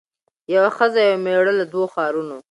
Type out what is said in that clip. یوه ښځه یو مېړه له دوو ښارونو